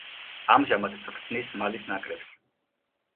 ამჟამად წვრთნის მალის ნაკრებს.